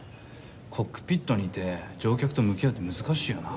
コックピットにいて乗客と向き合うって難しいよな。